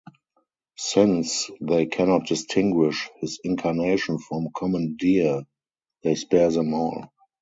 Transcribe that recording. Since they cannot distinguish his incarnation from common deer, they spare them all.